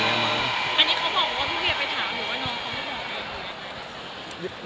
หรือว่าน้องเขาไม่บอกเลย